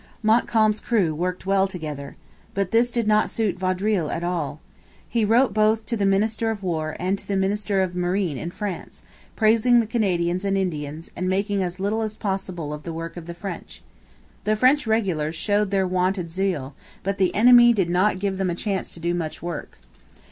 Montcalm's crew worked well together. But this did not suit Vaudreuil at all. He wrote both to the minister of War and to the minister of Marine in France, praising the Canadians and Indians and making as little as possible of the work of the French. 'The French regulars showed their wonted zeal; but the enemy did not give them a chance to do much work.'